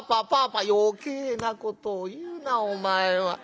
「余計なことを言うなお前は。